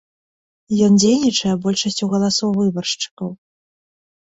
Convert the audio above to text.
Ён дзейнічае большасцю галасоў выбаршчыкаў.